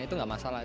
itu nggak masalah